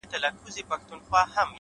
په اخبار په مجله په راډيو کي